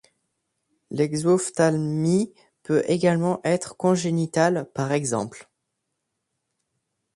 L'exophtalmie peut également être congénitale, par ex.